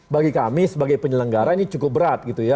bagi kami sebagai penyelenggara ini cukup berat gitu ya